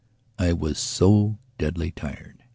I was so deadly tired.